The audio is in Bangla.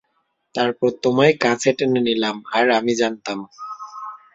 তারপর তোমায় কাছে টেনে নিলাম, আর আমি জানতাম।